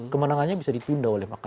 kemenangannya bisa ditunda oleh mk